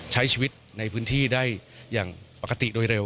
ใช้ชีวิตในพื้นที่ได้อย่างปกติโดยเร็ว